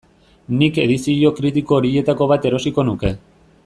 Nik edizio kritiko horietako bat erosiko nuke.